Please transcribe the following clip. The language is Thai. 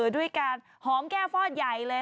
ด้วยการหอมแก้ฟอดใหญ่เลย